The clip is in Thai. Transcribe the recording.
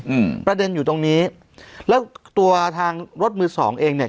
อืมประเด็นอยู่ตรงนี้แล้วตัวทางรถมือสองเองเนี้ย